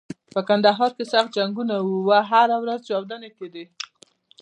په کندهار کې سخت جنګونه و او هره ورځ چاودنې کېدلې.